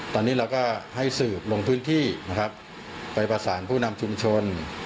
ตอนนี้เราก็ให้สืบลงพื้นที่นะครับไปประสานผู้นำชุมชน